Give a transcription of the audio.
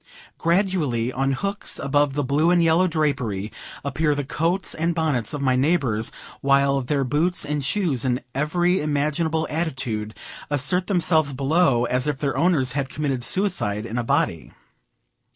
Gradually, on hooks above the blue and yellow drapery, appear the coats and bonnets of my neighbors, while their boots and shoes, in every imaginable attitude, assert themselves below, as if their owners had committed suicide in a body.